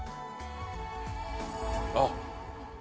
あっ。